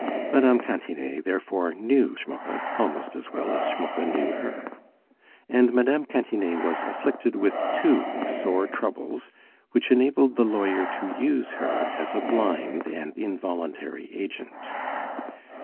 Mme. Cantinet therefore knew Schmucke almost as well as Schmucke knew her. And Mme. Cantinet was afflicted with two sore troubles which enabled the lawyer to use her as a blind and involuntary agent.